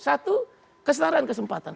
satu keselaraan kesempatan